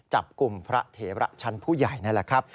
จับกลุ่มพระเถระชั้นผู้ใหญ่นั่นแหละครับ